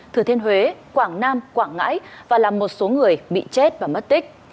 thừa thiên huế quảng nam quảng ngãi và làm một số người bị chết và mất tích